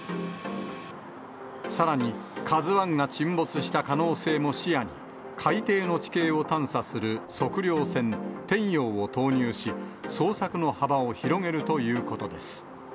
さらに、カズワンが沈没した可能性も視野に、海底の地形を探査する測量船、天洋を投入し、捜索の幅を広げるということです。